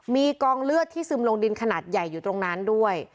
มีกองเลือดที่ซึมลงดินขนาดใหญ่อยู่ตรงนั้นด้วย